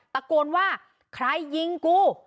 ตะโกนว่าใครยิงกู